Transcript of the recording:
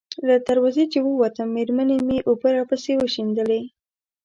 له دروازې چې ووتم، مېرمنې مې اوبه راپسې وشیندلې.